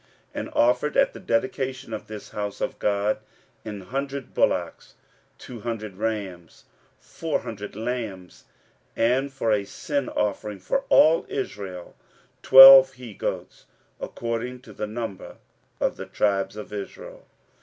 15:006:017 And offered at the dedication of this house of God an hundred bullocks, two hundred rams, four hundred lambs; and for a sin offering for all Israel, twelve he goats, according to the number of the tribes of Israel.